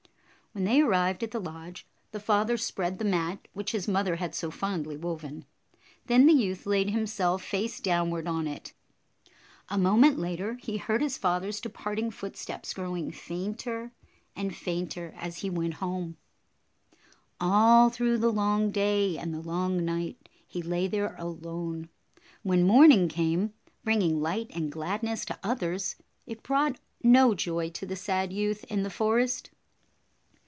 When they arrived at the lodge, the father spread the mat which his mother had so fondly woven. Then the youth laid himself face down ward on it. A moment later, he heard his father's departing footsteps growing fainter and fainter as he went home. All through the long day and the long night, he lay there alone. When morning came, bring ing light and gladness to others, it brought no joy to the sad youth in the forest.